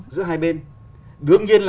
giữa hai bên đương nhiên là